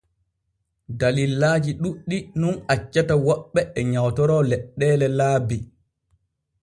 Dallillaaji ɗuuɗɗi nun accata woɓɓe e nyawtoro leɗɗeele laabi.